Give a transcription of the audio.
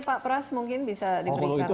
pak pras mungkin bisa diberikan kalau itu